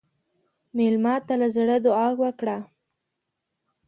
مېلمه ته له زړه دعا وکړه.